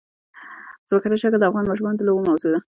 ځمکنی شکل د افغان ماشومانو د لوبو موضوع ده.